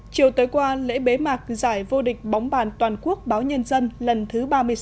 chiều tới qua lễ bế mạc giải vô địch bóng bàn toàn quốc báo nhân dân lần thứ ba mươi sáu